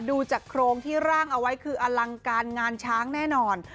ดูจากโครงที่ร่างเอาไว้คืออลังการงานช้างแน่นอน